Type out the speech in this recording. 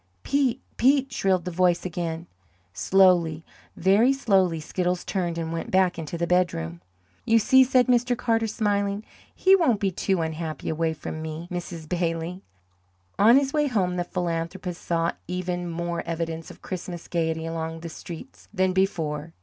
"Pete! Pete!" shrilled the voice again. Slowly, very slowly, Skiddles turned and went back into the bedroom. "You see," said Mr. Carter, smiling, "he won't be too unhappy away from me, Mrs. Bailey." On his way home the philanthropist saw even more evidences of Christmas gaiety along the streets than before.